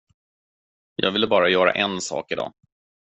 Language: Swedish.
Jag ville bara göra en sak idag.